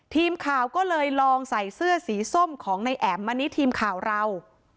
ทีมข่าวก็เลยลองใส่เสื้อสีส้มของนายแอ๋มอันนี้ทีมข่าวเรา